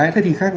thế thì khác